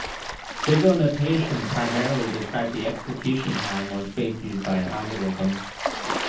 Big-O Notation primarily describes the execution time or space used by an algorithm.